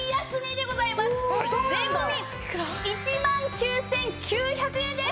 税込１万９９００円です！